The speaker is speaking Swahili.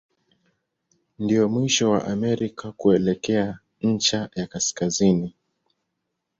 Ndio mwisho wa Amerika kuelekea ncha ya kaskazini.